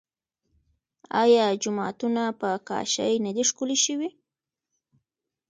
آیا جوماتونه په کاشي نه دي ښکلي شوي؟